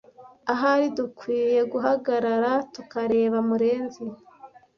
Ahari dukwiye guhagarara tukareba Murenzi .